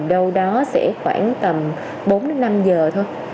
đâu đó sẽ khoảng tầm bốn đến năm giờ thôi